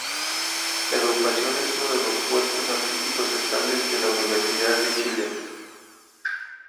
La agrupación es uno de los cuerpos artísticos estables de la Universidad de Chile.